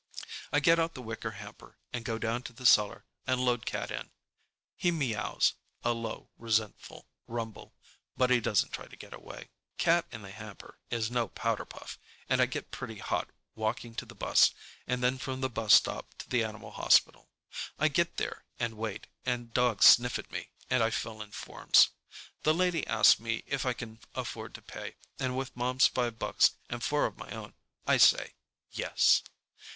I get out the wicker hamper and go down to the cellar and load Cat in. He meows, a low resentful rumble, but he doesn't try to get away. Cat in the hamper is no powder puff, and I get pretty hot walking to the bus, and then from the bus stop to the animal hospital. I get there and wait, and dogs sniff at me, and I fill in forms. The lady asks me if I can afford to pay, and with Mom's five bucks and four of my own, I say Yes.